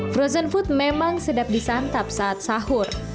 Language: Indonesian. frozen food memang sedap disantap saat sahur